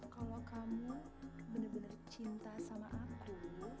kalau kamu bener bener cinta sama aku